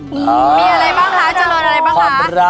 มีอะไรบ้างคะเจริญอะไรบ้างคะ